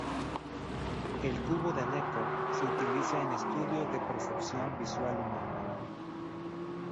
El cubo de Necker se utiliza en estudios de percepción visual humana